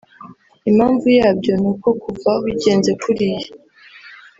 Impamvu yabyo ni uko kuva bigenze kuriya